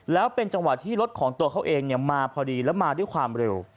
แล้วเป็นจังหวะที่รถของตัวเขาเองมาพอดีแล้วมาด้วยความเร็ว